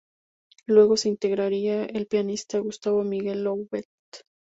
Luego se integraría el pianista Gustavo Miguel Loubet.